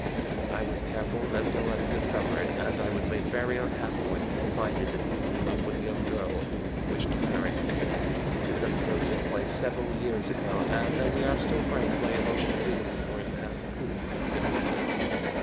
I was careful never to let him discover it, and I was made very unhappy when he confided that he was in love with a young girl whom he wished to marry. This episode took place several years ago, and though we are still friends my emotional feelings for him have cooled considerably.